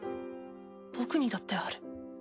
僕にだってある。